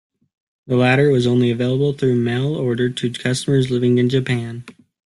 The latter was only available through mail order to customers living in Japan.